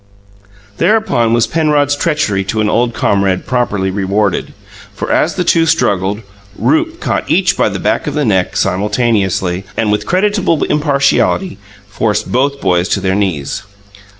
Thereupon was Penrod's treachery to an old comrade properly rewarded, for as the two struggled, Rupe caught each by the back of the neck, simultaneously, and, with creditable impartiality, forced both boys to their knees.